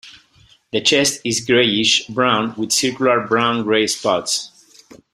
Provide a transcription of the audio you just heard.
The chest is grayish brown with circular brown-gray spots.